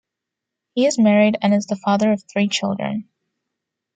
He is married and is the father of three children.